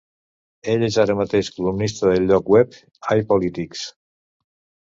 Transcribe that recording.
Ell és ara mateix columnista del lloc web iPolitics.